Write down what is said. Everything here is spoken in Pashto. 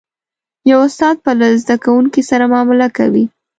یو استاد به له زده کوونکو سره معامله کوي.